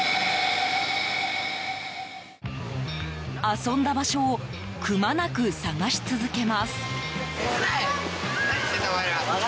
遊んだ場所をくまなく探し続けます。